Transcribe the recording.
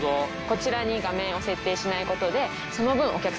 こちらに画面を設定しないことで。